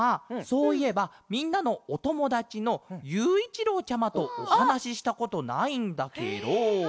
そういえばみんなのおともだちのゆういちろうちゃまとおはなししたことないんだケロ。